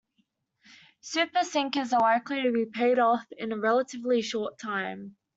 Super sinkers are likely to be paid off in a relatively short time.